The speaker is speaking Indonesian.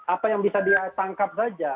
apa yang bisa ditangkap saja